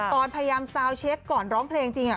ตอนพยายามซาวเช็คก่อนร้องเพลงจริง